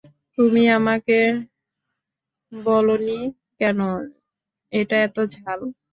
তুমি আমাকে বলনি কেন এটা এত ঝাল?